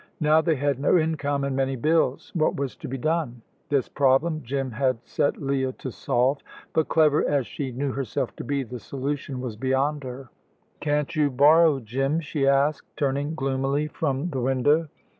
Now they had no income and many bills. What was to be done? This problem Jim had set Leah to solve, but clever as she knew herself to be, the solution was beyond her. "Can't you borrow, Jim?" she asked, turning gloomily from the window.